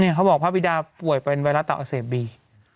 เนี่ยเขาบอกพระพิดาป่วยเป็นไวรัสต่าอเศษบี